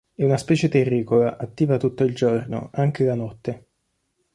È una specie terricola, attiva tutto il giorno, anche la notte.